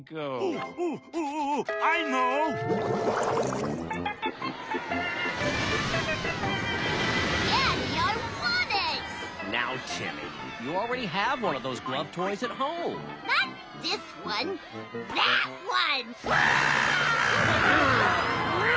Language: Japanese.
うわ！